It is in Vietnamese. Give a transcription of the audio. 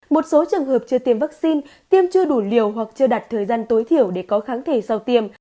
một số trường hợp chưa tiêm vaccine tiêm chưa đủ liều hoặc chưa đặt thời gian tối thiểu để có kháng thể sau tiêm